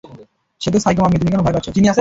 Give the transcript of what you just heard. সে তো psycho mummy, তুমি কেন ভয় পাচ্ছ?